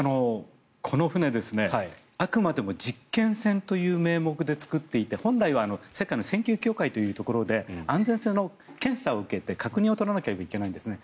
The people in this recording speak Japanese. この船、あくまでも実験船という名目で造っていて船体の安全性の検査を受けて確認を取らなければいけないんですね。